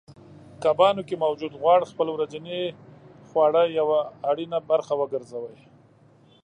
کبانو کې موجود غوړ خپل ورځنۍ خواړه یوه اړینه برخه وګرځوئ